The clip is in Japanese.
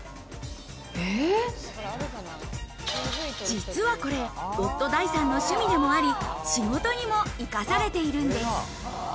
実はこれ、夫・だいさんの趣味でもあり、仕事にも生かされているんです。